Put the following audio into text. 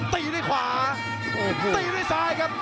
ตีด้วยขวาตีด้วยซ้ายครับ